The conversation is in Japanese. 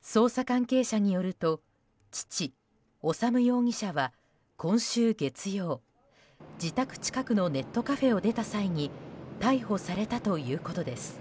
捜査関係者によると父・修容疑者は今週月曜、自宅近くのネットカフェを出た際に逮捕されたということです。